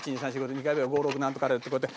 ２回目は５６なんとかでってこうやって。